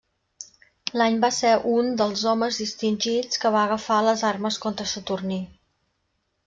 L'any va ser un dels homes distingits que va agafar les armes contra Saturní.